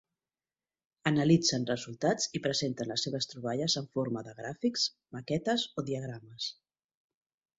Analitzen resultats i presenten les seves troballes en forma de gràfics, maquetes o diagrames.